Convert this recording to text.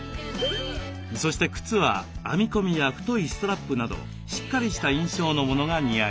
そして靴は編み込みや太いストラップなどしっかりした印象のものが似合います。